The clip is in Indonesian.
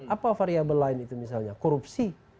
apa variable lain itu misalnya korupsi